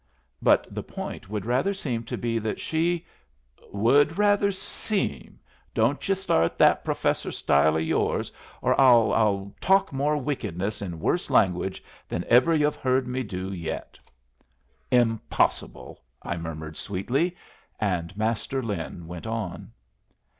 "But the point would rather seem to be that she " "Would rather seem! Don't yu' start that professor style o' yours, or I'll I'll talk more wickedness in worse language than ever yu've heard me do yet." "Impossible!" I murmured, sweetly, and Master Lin went on.